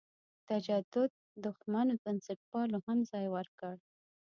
تجدد دښمنو بنسټپالو هم ځای ورکړ.